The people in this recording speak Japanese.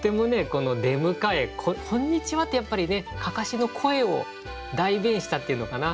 この「でむかえこんにちは」ってやっぱり案山子の声を代弁したっていうのかな。